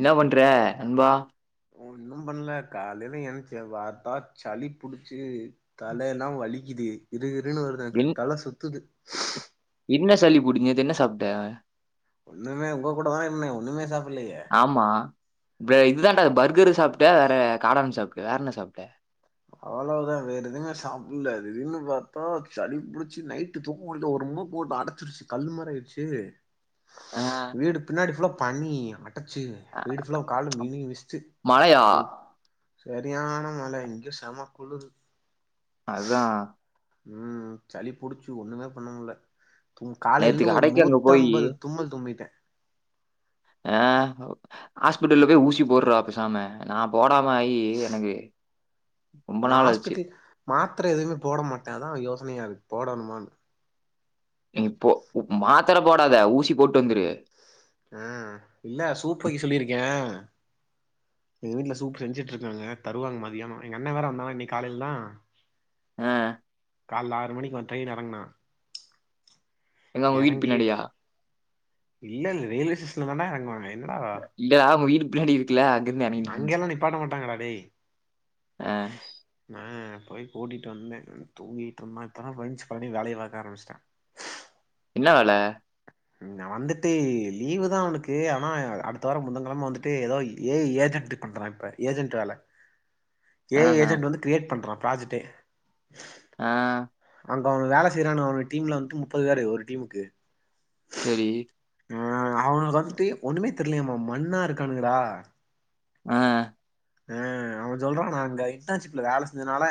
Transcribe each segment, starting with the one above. என்ன பண்ற நண்பா ஒன்னு பண்ல காலயில எஞ்சு பாத்தா சளி புடிச்சு தலயெல்லா வலிக்குது கிருகிருன்னு வருது எனக்கு என் தல சுத்துது என்ன சளி புடிக்கு நேத்து என்ன சாப்பிட்ட ஒண்ணுமே உங்க கூட தா இருந்த ஒண்ணுமே சாப்புடலயே ஆம்மா பெ இது தாண்டா பர்கரு சாப்ட்ட வேற காளான் சாப்ட்ட வேற என்ன சாப்ட்ட அவ்வளவுதா வேற எதுமே சாப்புட்ல்ல திடீர்னு பாத்தா சளி புடிச்சி நைட் நைட்டு தூங்க முடியில்ல ஒரு மூக்கு போட்டு அடச்சிருச்சு கல்லு மாரி ஆயிடுச்சு ஆ வீடு பின்னாடி ஃபுல்லா பனி அட்டச்சு அ வீடு ஃபுல்லா கால மினி விஸ்ட்டு மழையா சரியான மழ இங்க செமக்குளுரு அதா ம் சளி புடிச்சு ஒண்ணுமே பண்ண முல்ல காலயில நேத்து இருந்து ஒரு கடைக்கு அங்க போயி நூத்தம்பது தும்மல் தும்பிட்ட ஆ ஹாஸ்பிட்டல்ல போய் ஊசி போட்ற பெசாம நா போடாம ஆயி எனக்கு ரொம்ப நா நாள் ஆச்சு ஹாஸ்பிடல் மாத்ர எதுவுமே போட மாட்ட அதா யோசனையா இருக்கு போடணுமான்னு நீ ப்போ மாத்தர போடாத ஊசி போட்டு வந்துரு ஆ இல்ல சூப் வைக்க சொல்லிருக்கே எங்க வீட்ல சூப் செஞ்சுட்ருக்காங்க தருவாங்க மதியானம் எங்கண்ண வேற வந்தானா இன்னைக் காலையில தா ஆ கால்ல ஆறு மணிக்கு வந் ட்ரயின்ல யெறங்குனா எங்க உங்க வீட்டு எறங்கி பின்னாடியா இல்ல இல்ல ரயில்வே ஸ்டேஷன்ல தாண்டா எறங்குவாங்க என்னடா இல்லடா உங்க வீடுக் பின்னாடி இருக்குல அங்கெல்லா நிப்பாட்ட மாட்டாங்க டா டேய் ஆ நா போய் கூட்டிட்டு வந்தேன் தூங்கிகிட்டு இருந்தான் இப்பதா பிரென்சு பழனி வேலைய பாக்க ஆரம்பிச்சுட்டான் என்னா வேல நா வந்துட்டு லீவு தா அவனுக்கு ஆனா அடுத்த வாரம் புதன்கிழமை வந்துட்டு ஏதோ ஏ ஐ ஏஜென்டு பண்றான் இப்ப ஏஜென்ட் வேல ஆடியோ இல்லை ஏ ஐ ஏஜெண்ட் வந்து க்ரியேட் பண்றா ப்ராஜெக்டே ஆ அங்க அவன் வேல செய்யறானு அவனு டீம்ல வந்து முப்பது பேரு ஒரு டீமுக்கு செரி ஆ அவனுகளுக்கு வந்துட்டு ஒண்ணுமே தெரியலாம மண்ணா இருக்கானுங்கடா ஆ ஆ அவன் சொல்றா நா அங்க இன்டர்ன்ஷிப்ல வேல செஞ்சதுனால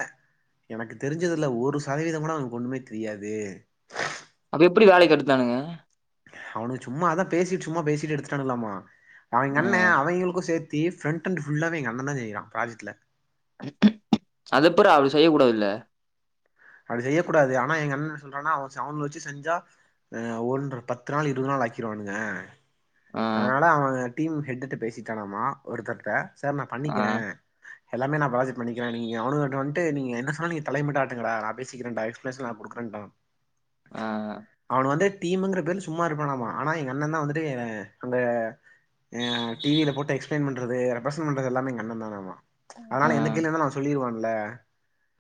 எனக்கு தெரிஞ்சதுல ஒரு சதவீதம் கூட அவனுக்கு ஒண்ணுமே தெரியாது அப்ப எப்பிடி வேலைக்கு எடுத்தானுங்க அவனுக்கு சும்மா அதான் பேசிட்டு சும்மா பேசிட்டு எடுத்துட்டானுல்லாமா அவங் அண்ணே ம். அவங்களுக்கு சேத் தி ஃப்ரண்ட்ண்ட்ஃபுல்லாவே எங்கண்ண தா செய்றான் ப்ராஜெக்ட்ல அது எப்பிறா அப்டி செய்ய கூடாதுல்ல அப்டி செய்யக் கூடாது ஆனா எங்க அண்ண என்ன சொல்றான்னா அவ அவனுல வச்சி செஞ்சா அ ஒன்ற பத்து நாள் இருபது நாள் ஆக்கிறுவானுங்க அ, அதனால அவன் டீம் ஹெட்டுட்ட பேசிட்டானாம்மா ஒருத்தர்கிட்ட சார் நான் அ, பண்ணிக்கிறே எல்லாமே நா ப்ராஜெக்ட் பண்ணிக்கிறே நீங்க அவனுகட்ட வந்டு நீங்க என்ன சொன்னால் நீங்க தலைய மட்டு ஆட்டுங்கடா நா பேசிக்கிறன்டா எக்ஸ்ப்ரசன் நா குடுக்குறன்டா ஆ அவனு வந்து டீமுங்கிற பேர்ல சும்மா இருப்பானாமா ஆனா எங்க அண்ணந்தா வந்துட்டு அந்த அ டிவியில போட்டு எக்ஸ்பிளைன் பண்றது ரெப்ரசன் பண்றது எல்லேமே எங்க அண்ண தானாமா அ. அதனால எந்த கேள்வியாருந்தாலு அவ சொல்லிருவான்ல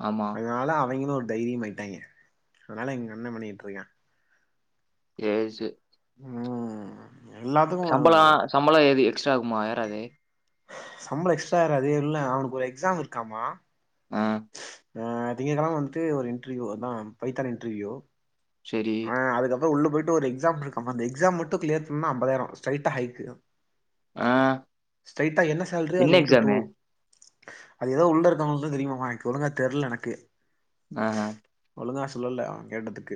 ஆமா அதனால அவங்களு ஒரு தைரியமாயிட்டாங்ஞ அதனால எங்க அண்ண பண்ணிகிட்டுரிக்கா ஏசு ம் சம்பள எல்லாத்துக்கும் சம்பளொ எது எக்ஸ்ட்ரா ஆகுமா ஏறாது சம்பளம் எக்ஸ்ட்ரா ஏறாது இல்ல அவனுக்கு ஒரு எக்ஸாம் இருக்காமா ஆ ஆ திங்ககெழம வந்துட்டு ஒரு இன்ட்ருவியூ அதா பைத்தான் இன்ட்ருவியூ செரி அதுக்கப்புற உள்ள போயிட்டு ஒரு எக்ஸாம் இருக்கமா அந்த எக்ஸாம் மட்டு கிளியர் பண்ணா அம்பதாயிரம் ஸ்ட்ரைட்டா ஹைக்கு ஆ ஆ ஸ்ட்ரைட்டா என்ன சேல்ரியே என்ன அதுல இன்டு டூ எக்ஸாமு? அது எதோ உள்ள இருக்கிறவங்களுக்கு தா தெரியுமாமா எனக்கு ஒழுங்கா தெர்லனக்கு ஆ ஒழுங்கா சொல்லல அவ கேட்டதுக்கு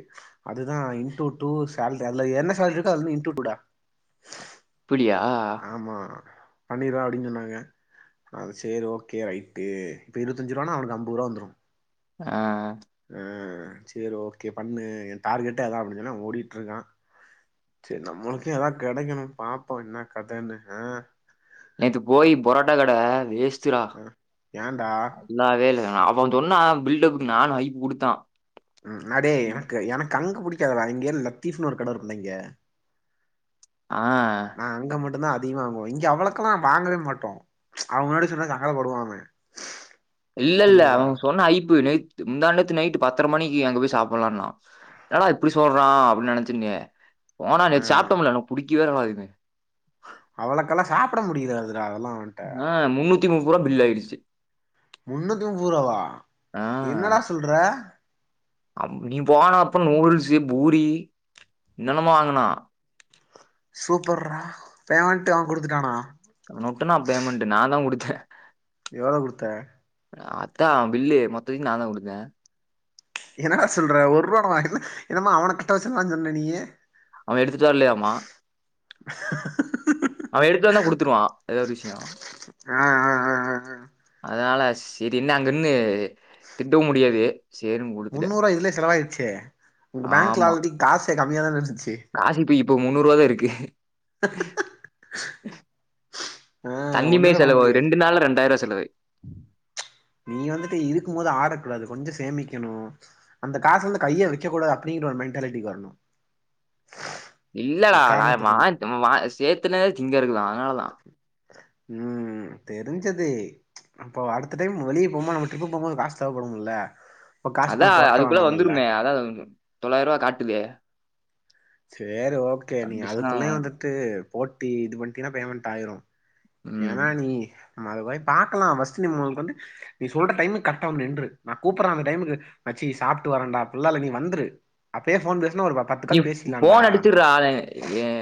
அதுதா இன்டு டூ சேலரி அதுல என்ன சேலரி இருக்கோ அதுல இன்டூடா அப்பிடியா ஆமா பண்ணிறா அப்டின்னு சொன்னாங்க அது சேரி ஓகே ரைட்டு இப்ப இருவத்தஞ்சு ரூவான்ன அவனுக்கு அம்பதுரூவா வந்துடு அ அ சேரி ஓகே பண்ணு ஏ டார்கெட்டே அதா அப்டின்னு ஓடிகிட்டிருக்கா சேரி நம்மளுக்கு எதாது கெடைக்கணுனு பாப்போ என்ன கதன்னு அ நேத்து போயி புரோட்டா கட வேஸ்ட்டுடா ஆ ஏன்டா நல்லாவே இல்ல அவ சொன்னா பில்டப்புக்கு நானு ஹைப்பு குடுத்தா ம் அடேய் எனக்கு எனக்கு அங்க பிடிக்காதுடா இங்க லத்தீப்ன்னு ஒரு கட இருக்குல்ல இங்க அ அ அங்க மட்டு தா அதிகமா வாங்குவோ இங்க அவ்ளோக்கெல்லா வாங்கவே மாட்டோ அவ முன்னாடி சொன்னா சங்கட படுவா அவ இல்லல்ல அவ புரிஞ்சுதா சொன்ன ஐப்பு நேத் து முந்தா நேத்து நைட் பத்தர மணிக்கி அங்க போய் சாப்டலான்னா என்னடா இப்டி சொல்றா அப்டின் நெனச்சிருந்தே போனா ஆ சாப்ட்டோம்ல எனக்கு புடிக்கவே இல்லடா இது அவளக்கெல்லா சாப்ட முடியாதுடா அதுல்லா அ முன்னூத்தி முப்புருவா பில் ஆய்டுச்சி முன்னூத்தி முப்பருவாவா என்னடா சொல்ற அம் நீ போன அப்றோ நூடுல்சு பூரி என்னன்னமோ வாங்குனா சூப்பர்ரா பேமெண்ட்டு அவ குடுத்துட்டானா ! ! ! ! ! ! ! ! ! ! எவ்ளோ குடுத்த அதா பில்லு மொத்தத்கு நா தா குடுத்த என்னடா சொல்ற ஒர்ருவா கூட என்னமோ அவன கிட்ட வெச்சுலான்னு சொன்ன நீயி அவ எடுத்துட்டு வர்லியாமா அவ எடுத்துட்டு வந்தா குடுத்துருவா அது ஒரு விஷியோ அ அ அ அ அ அதனால செரினு அங்கன்னு திட்டவு முடியாது சேரி முன்னூருவா இதுலயே செலவாய்ருச்சே ஒங்க பேங்க்ல ஆமா. ஆல்ரெடி காசே கம்மியாதான இருந்துச்சி காசு இப்ப முன்னூறு ரூவா தா இருக்கு ஆ தண்ணி மாரி ஒண்ணுமே பண்ண செலவு ஆகுது முடியாது ரெண்டு நாள்ள ரெண்டாய ரூவா செலவு நீ வந்துட்டு இருக்கு போது ஆடக் கூடாது கொஞ்சோ சேமிக்கணு அந்த காசுலருந்து கைய வெக்க கூடாது அப்டின்ற ஒரு மெண்ட்டாலிட்டி வரணு இல்லடா நா எக்காரணத்துக்கு வா கொண்டு வா சேத்துனதே திங்கரக்குதா அதனாலதா ம் தெரிஞ்சது அப்போ அடுத்த டைம் வெளிய போம்போ நம்ம ட்ரிப் போம்போ காசு தேவப்படும்ல அப்ப காசு அதா கொஞ்சோ பொரட்ட அதுக்குள்ள வேணாமல்ல வந்துருமே அதா தொள்ளாயரூவா காட்டுதே சேரி ஓகே நீ வந்துச்சுன்னா அதுக்குள்ளயே வந்துட்டு போட்டி இது பண்ட்டீனா பேமெண்ட் ஆயிரு ம். ஏன்னா நீ நம்ம அது போய் பாக்கலா ஃபர்ஸ்ட் நீ கொண்டு நீ சொல்ற டைமுக்கு கரெக்ட்டா வந்து நின்று நா கூப்படுற அந்த டைமுக்கு மச்சி சாப்ட்டு வரண்டா அப்டில்லா இல்ல நீ வந்திரு அப்பயே போன் பேசுனா ஒரு நீ போன் அடுச்சுருடா அ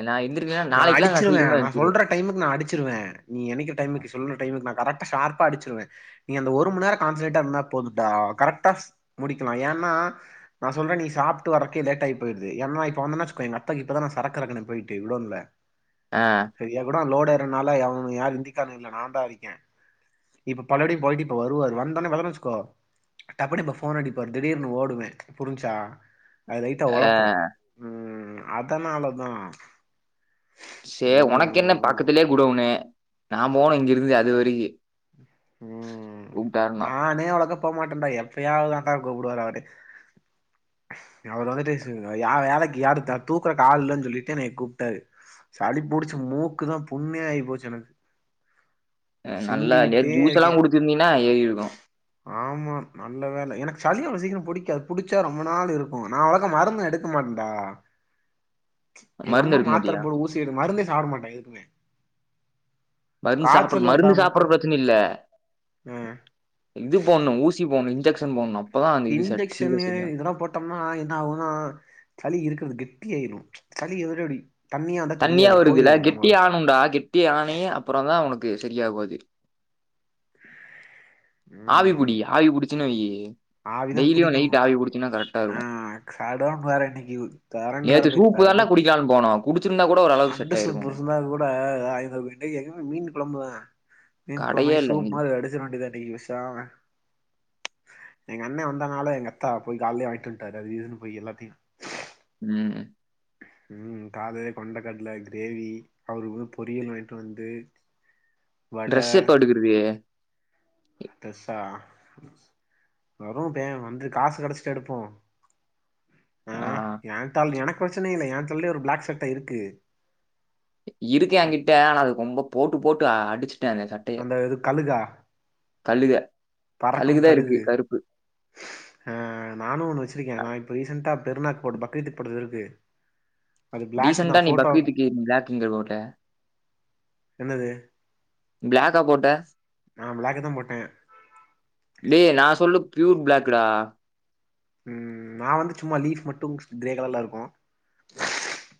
நா எந்திருக்கலேன்னா நான் நாளைக்கெல்லா நா அடிச்சிருவேன் சீக்கரமா நான் எந்துச்சிருவ சொல்ற டைமுக்கு நா அடிச்சிருவே நீ எனிக்க டைமுக்கு சொல்ற டைமுக்கு நா கரெக்டா ஷார்ப்பா அடிச்சிருவ நீ அந்த ஒரு மண் நேரோ கான்சட்ரேட்டா இருந்தா போதுடா கரெக்டா முடிக்கலா ஏன்னா நா சொல்ற நீ சாப்ட்டு வரக்கே லேட்யாயி போய்ருது ஏன்னா இப்ப வந்தனா வெச்சுகோ எங்க அத்தைக்கு இப்பதா நா சரக்கு எரக்குன போயிட்டு குடோனுல அ சரியா கூட லோடுறனால எவ யாரு இந்திக்காரனுங் இல்ல நா தா இருக்கே இப்ப பலபடியு போயிட்டு இப்ப வருவாரு வந்தோன வர்லன வெச்சுக்கோ டப்புனு இப்ப போன் அடிப்பாரு திடீர்னு ஓடுவே புரிஞ்சா அது லைட்டா ஆ ஒழப்பு ம் அதனாலதா சே ஒனக்கென்ன பக்கத்துலே கூடவுனு நா போனு இங்கெருந்து அது வரைக்கு கூப்டாருனா னே அவளக்கா போ மாட்டன்டா எப்பயாவ்து தான்டா கூப்பிடுவாரு அவரே அவரு வந்துட்டு ய வேலைக்கு யாரு த தூக்கறக்கு ஆள் இல்லன் சொல்லிட்டு என்னய கூப்ட்டாரு சளி புடிச்சு மூக்கு தா புண்ணே ஆயி போச்சு எனக்கு அ நல்லா நேத்து சிந்திக்கிட்டே ஜூஸெல்லா இருக்கேன் குடுச்சிருந்தீனா ஏறிருக்கு ஆமா நல்ல வேல எனக்கு சளி அவ்ளோ சீக்ரோ புடிக்காது புடிச்சா ரொம்ப நாள் இருக்கு நா அவளக்கா மருந்து எடுக்க மாட்டன்டா மருந்து எங்கம்மா எடுக்க மாத்தர மாட்டியா? போடு ஊசி எடு மருந்தே சாப்ட மாட்டே எதுக்குமே மருந்து சாப்புடு காய்ச்சல் வந்தா மருந்து சாப்புறது மட்டும் பிரச்சன இல்ல ஆ இது போட்ணு ஊசி போட்ணு இன்ஜெக்க்ஷன் போட்ணு அப்பதா அந்த இது செட் சீக்ர செரியா த்தமா என்ன ஆகுனா சளி இருக்கறது கெட்டி ஆயிரு சளி எதுக்கு அப்டி இருந்தா தண்ணியா தெரியாது வருதுல போயிரு கெட்டி நம்ம ஆணும்டா கெட்டி ஆணே அப்பறந்தா ஒனக்கு செரியாகு அது ம் ஆவிபுடி ஆவி புடிச்சினா வையி ஆவிதா டெய்லியு புடிக்கணு நைட்டு ஆவி புடிச்சினா கரெக்டா ஆ இருக்கு கடன் வேற இன்னைக்கு கரண்ட் வேற நேத்து போய் சூப்புதான்டா கடும் குடிக் கலான் போனோ குடிச்சிருந்தா கூட ஓரளவுக்கு செட் ஆயிருக்கு ஒனக்கு ம்ப ஆய்ந்துருக்கு இன்னைக்கு எங்க வீட் மீன் கொழம்புதா மீன் கொழம்பு கடையே வாங்கி இல்ல சூப் எங்கயும். மாரி அடிச்சுர வேண்டிதா இன்னக்கி பெசாம எங்க அண்ணெ வந்தனால எங்க அத்தா போய் கால்லே வாங்கிட்டு வந்ட்டாரு அது இதுனு போய் எல்லாத்தையு ம் ம் காலைலே கொண்டக்கட்ல கிரேவி அவருக்கு பொரியல் வாங்கிட்டு வந்து வட ட்ரெஸ் எப்ப எடுக்குறது ட்ரெஸ்சா வரு பே வந்து காசு கெடச்சிட்டா எடுப்போ ஆ ஏ தால் எனக்கு பிரச்சன இல்ல ஏ தல்லே ஒரு பிளாக் சட்ட இருக்கு இருக்கு எங்கிட்ட ஆனா அது ரொம்ப போட்டு போட்டு ஆ அடிச்சுட்டே அந்த சட் அந்த இது கழுகா கழுக பறக்கும் கழுகுதா இருக்கு கழுகு கருப்பு ஆ நானு ஒன்னு வச்சிருக்கே நா இப்ப ரீசென்டா பெருநாக்கு போட்ட பக்ரீத்துக்கு போட்டது இருக்கு அது பிளாக் தா டீசென்டா நீ போட்டோ பக்ரீத்துக்கு ப்ளாக் எங்க போட்ட என்னது ப்ளாக்கா போட்ட நா ப்ளாக்கு தா போட்டே டே நா சொல்லு பியூர் ப்ளாக்குடா ம் நா வந்து சும்மா லீஃப் மட்டு க்ரே கலர்ல இருக்கு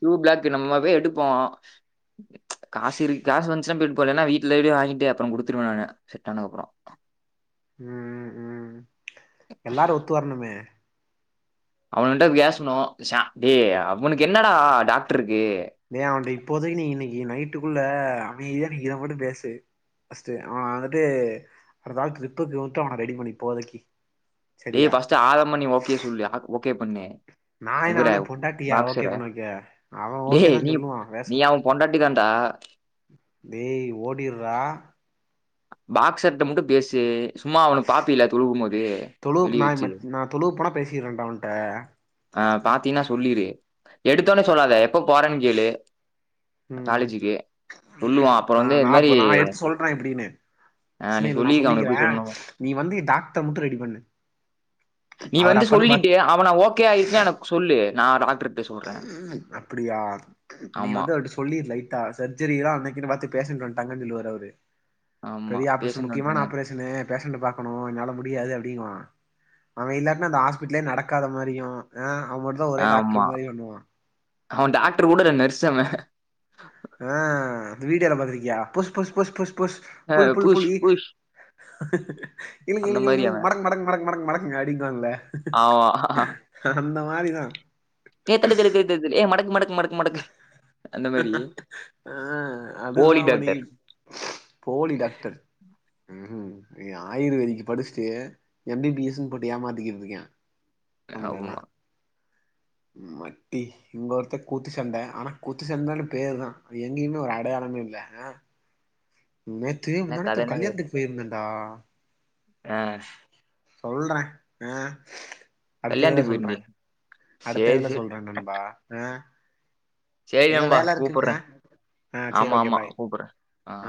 ப்யூர் ப்ளாக்கு நம்ம போய் எடுப்போ காசு இருக்கு காசு வந்ச்சுனா போய் எடுப்போ இல்லனா வீட்ல எப்டியோ வாங்கிட்டு அப்பறோ குடுத்துருவ நானு செட்டானக்கப்றோ ம் ம் எல்லாரு ஒத்து வரணுமே அவன்ட பேசணு சா டே அவனுக்கு என்னடா டாக்ட்ருக்கு டே அவன்ட இப்போதைக்கு நீ இன்னைக்கு நைட்டுக்குள்ள அமைதியா நீ இத மட்டு பேசு ஃபஸ்ட்டு அவ வந்துட்டு அடுத்தாள் ட்ரிப்புக்கு மட்டு அவன ரெடி பண்ணு இப்போதைக்கி டே ஃபஸ்ட்டு ஆதம நீ ஓகே சொல்லு ஆக் ஓகே பண்ணு நா என்ன இவர அவனுக்கு பொண்டாட்டியா பாக்ஸர. ஓகே பண்ண வைக்க அவ ஓகே டேய் தா நீ சொல்லுவா பேசு நீ அவன் பொண்டாட்டி தான்டா டேய் ஓடிர்றா பாக்ஸர்ட்ட மட்டு பேசு சும்மா அவன பாப்பில தொழுகும் போது தொழுவு வெளிய நான் வச்சி மத்- நான் தொழுவு போனா பேசிக்கிறேன்டா அவன்கிட்ட ஆ பாத்தீனா சொல்லிரு எடுத்தோனே சொல்லாத எப் எப்போ போறன்னு கேளு ம் காலேஜிக்கு சொல்லுவா அப்ற வந்து இந்த மாரி நா எப்டின்னு ஆ நீ சுனில் நா சொல்லிருக்க அவன சொல்லிக்கிறே எப்படி சொல்லணும்னு. நீ வந்து டாக்டர் மட்டு ரெடி பண்ணு நீ அவர் வந்து அப்பான்னு பார்த்து சொல்லிட்டு அவன ஓகே ஆயிடுச்சுனா எனக்கு சொல்லு நா டாக்டர் அப்டியா நீ ஆமா, வந்து அதுட்ட சொ சொல்லிடு லைட்டா சர்ஜரில்லா அன்னைக்குன்னு பாத்து பேஷண்ட் வந்ட்டாங்கன்னு சொல்லுவாரு அவரு ஆமா. பெரிய ஆப்ரேஷன் பேஷண்ட் முக்கியமான வந்துட்டாங்க. ஆப்ரேஷனு பேஷண்டு பாக்கணு என்னால முடியாது அப்டிங்குவா அவ இல்லாட்னா அந்த ஹாஸ்பிட்லே நடக்காத மாரியு ஆ அவ மட்டுதா ஒரே டாக்டர் மாரி பண்ணுவா அவ டாக்டர் கூட இல்ல நர்ஸ் அவ அ அது வீடீயோல பாத்திருக்கியா புஸ் புஸ் புஸ் புஸ் புஸ் அ புஸ் புஸ் இழுங்க இழுங்க இழுங் அவன். மடக் மடக் மடக் மடக் மடக்குங்க அப்டிம்பான்ல [unintelligible] அந்த மாரிதா ஏ தள்ளு தள்ளு தள்ளு தள்ளு ஏ மடக்கு மடக்கு மடக்கு மடக்கு அந்த மாரி. அ அதுதா போலி மணி டாக்டர். போலி டாக்டர் ம் இவே ஆயுர்வேதிக்கி படிச்சுட்டு எம் பி பி எஸ்ன்னு போட்டு ஏமாத்திகிட்டு இருக்கா ஏ ஔமா மட்டி இங்க ஒருத்த கூத்துச்சண்டை ஆனா கூத்து சண்டைனு பேரு தா எங்கேயுமே ஒரு அடையாளமே இல்ல நேத்து என்ன முந்தாநேத்து ஒரு கதைன்னே கல்யாணத்துக்கு போயிருந்தேன்டா யார் சொல்றே அ அடுத்த இதுல கல்யாணத்துக்கு சொல்றே போயிருந்தியா? அடுத்த சரி, இதுல சரி. சொல்றே நண்பா ஆ சேரி ஏதோ நண்பா வேல கூப்றே இருக்குங்கண்ணா ஆ சரி ஆமா ஓகே ஆமா பாய் கூப்றே ஆ